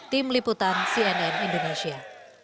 tim liputan cnn indonesia